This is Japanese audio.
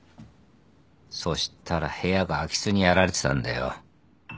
そしたら部屋が空き巣にやられてたんだよ。